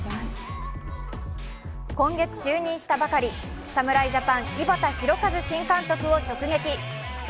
今月就任したばかり、侍ジャパン井端新監督を直撃。